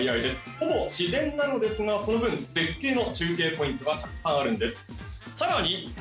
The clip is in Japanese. ほぼ自然なのですがその分絶景の中継ポイントがたくさんあるんです更に